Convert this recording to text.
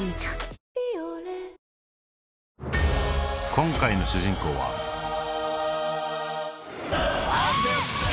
今回の主人公は・おっす！